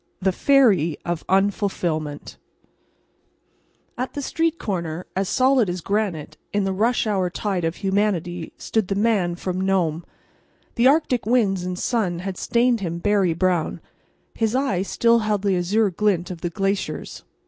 THE FERRY OF UNFULFILMENT At the street corner, as solid as granite in the "rush hour" tide of humanity, stood the Man from Nome. The Arctic winds and sun had stained him berry brown. His eye still held the azure glint of the glaciers.